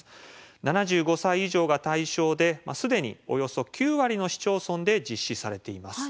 ７５歳以上が対象ですでにおよそ９割の市町村で実施されています。